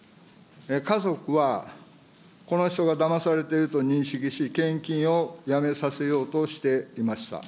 家族はこの人がだまされていると認識し、献金をやめさせようとしていました。